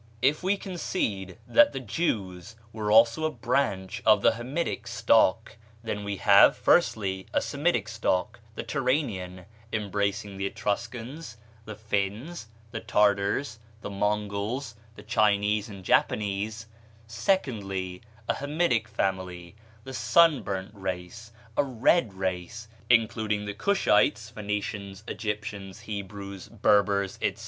If we concede that the Jews were also a branch of the Hamitic stock, then we have, firstly, a Semitic stock, the Turanian, embracing the Etruscans, the Finns, the Tartars, the Mongols, the Chinese, and Japanese; secondly, a Hamitic family, "the sunburnt" race a red race including the Cushites, Phoenicians, Egyptians, Hebrews, Berbers, etc.